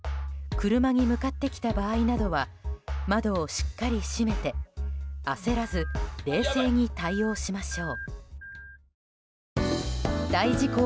車に向かってきた場合などは窓をしっかり閉めて焦らず冷静に対応しましょう。